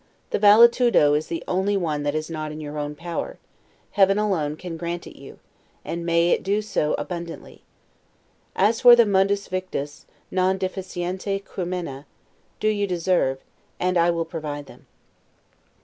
The 'Valetudo' is the only one that is not in your own power; Heaven alone can grant it you, and may it do so abundantly! As for the 'mundus victus, non deficiente crumena', do you deserve, and I will provide them.